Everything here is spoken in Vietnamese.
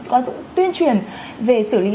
có những tuyên truyền về xử lý